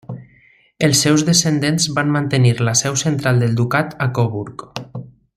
Els seus descendents van mantenir la seu central del ducat a Coburg.